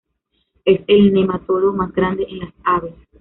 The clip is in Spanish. Es el nematodo más grande en las aves.